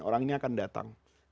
orang ini akan datang